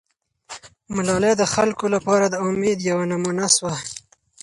ملالۍ د خلکو لپاره د امید یوه نمونه سوه.